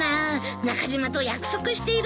中島と約束しているんだよ。